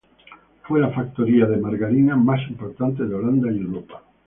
Fue la factoría de margarina más importante de Holanda y Europa.